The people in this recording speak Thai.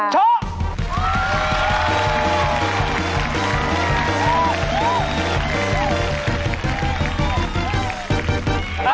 เชาะ